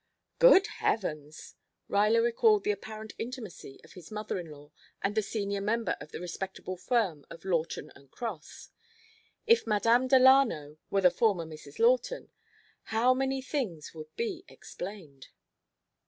"Good heavens!" Ruyler recalled the apparent intimacy of his mother in law and the senior member of the respectable firm of Lawton and Cross. If "Madame Delano" were the former Mrs. Lawton, how many things would be explained.